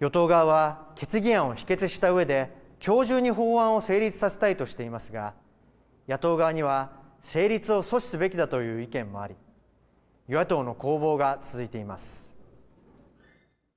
与党側は決議案を否決したうえできょう中に法案を成立させたいとしていますが、野党側には成立を阻止すべきだという意見もあり与野党の攻防が続いています。